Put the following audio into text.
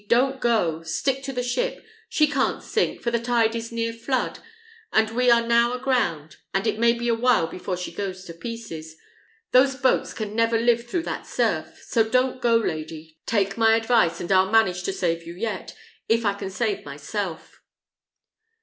don't go; stick to the ship; she can't sink, for the tide is near flood, and we are now aground, and it may be a while before she goes to pieces. Those boats can never live through that surf. So don't go, lady! Take my advice, and I'll manage to save you yet, if I can save myself."